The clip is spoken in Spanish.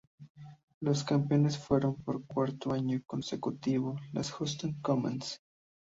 Las campeonas fueron por cuarto año consecutivo las Houston Comets.